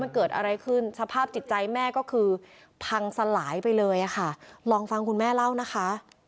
คือพังสลายไปเลยอ่ะค่ะลองฟังคุณแม่เล่านะคะ